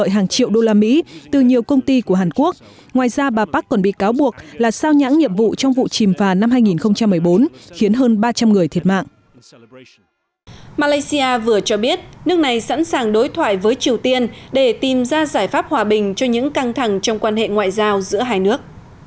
hãng thông tấn yonhap vừa cho biết nước này sẵn sàng đối thoại với triều tiên để tìm ra giải pháp hòa bình cho những căng thẳng trong quan hệ ngoại giao giữa hai nước